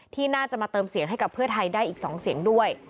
ที่น่าจะมาเติมเสียงให้กับเพื่อไทยได้อีก๒เสียงด้วย